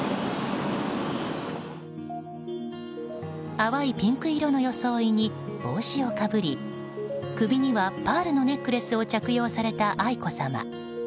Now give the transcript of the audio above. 淡いピンク色の装いに帽子をかぶり首にはパールのネックレスを着用された愛子さま。